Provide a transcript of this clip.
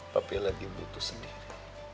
papi lagi butuh sendiri